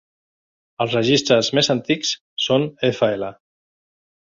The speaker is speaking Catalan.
Els registres més antics son fl.